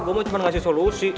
gue mau cuma ngasih solusi